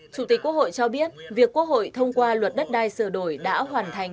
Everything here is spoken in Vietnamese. chủ tịch quốc hội cho biết việc quốc hội thông qua luật đất đai sửa đổi đã hoàn thành